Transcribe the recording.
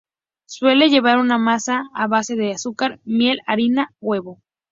Suele llevar una masa a base de azúcar, miel, harina, huevo.